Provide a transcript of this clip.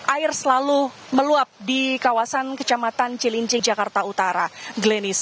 air selalu meluap di kawasan kecamatan cilinci jakarta utara glenis